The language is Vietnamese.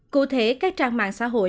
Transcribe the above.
cụ thể các trang mạng xã hội